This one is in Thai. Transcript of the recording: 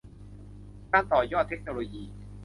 การต่อยอดเทคโนโลยี